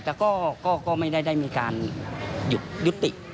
แต่ก็ไม่ได้มีการหยุดยุติ